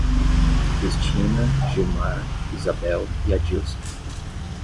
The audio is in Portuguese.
Cristina, Gilmar, Izabel e Adílson